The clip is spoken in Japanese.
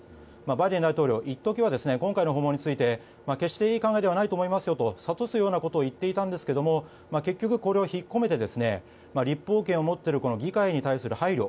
バイデン大統領は一時は、今回の訪問についていい考えではないと思いますよと諭すようなことを言っていたんですが結局、これをひっこめて、立法権を持っている議会に対する配慮